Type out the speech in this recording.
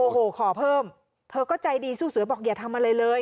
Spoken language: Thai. โอ้โหขอเพิ่มเธอก็ใจดีสู้เสือบอกอย่าทำอะไรเลย